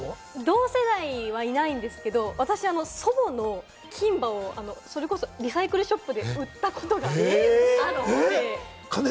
同世代はいないですけれども、私、祖母の金歯を、それこそリサイクルショップで売ったことがあって。